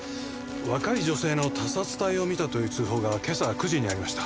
若い女性の他殺体を見たという通報が今朝９時にありました。